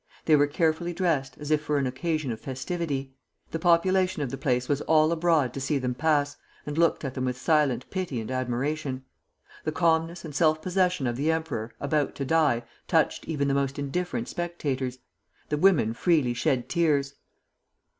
They were carefully dressed, as if for an occasion of festivity. The population of the place was all abroad to see them pass, and looked at them with silent pity and admiration. The calmness and self possession of the emperor, about to die, touched even the most indifferent spectators. The women freely shed tears.